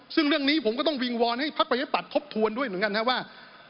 ซึ่งเรื่องนี้ผมก็ต้องวิงวอนให้พักประชาปัตย์ทบทวนด้วยเหมือนกันครับว่า